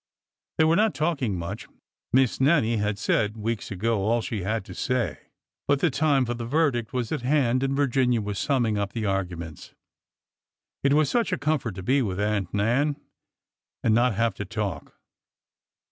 They were not talking much. Miss Nannie had said weeks ago all she had to say. But the time for the verdict was at hand and Virginia was summing up the arguments. It was such a comfort to be with Aunt Nan and not have to talk.